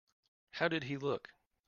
How did he look?